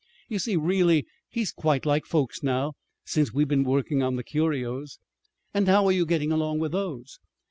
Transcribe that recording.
You see, really, he's quite like folks, now, since we've been working on the curios." "And how are you getting along with those?"